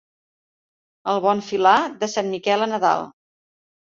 El bon filar, de Sant Miquel a Nadal.